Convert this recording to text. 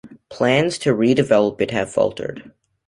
Plans to re-develop it have faltered.